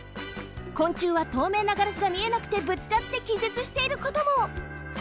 昆虫はとうめいなガラスが見えなくてぶつかってきぜつしていることも！